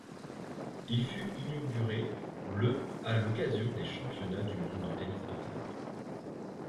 Il fut inauguré le à l'occasion des Championnats du monde de tennis de table.